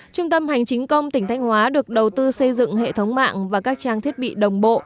trung tâm hành chính công tỉnh thanh hóa được đầu tư xây dựng hệ thống mạng và các trang thiết bị đồng bộ